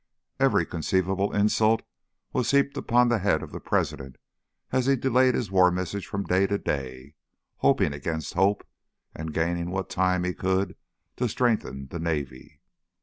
Every conceivable insult was heaped upon the head of the President as he delayed his War Message from day to day, hoping against hope, and gaining what time he could to strengthen the Navy.